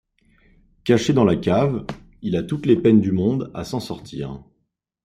Caché dans la cave, il a toutes les peines du monde à s'en sortir.